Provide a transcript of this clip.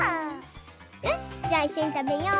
よしじゃあいっしょにたべよう。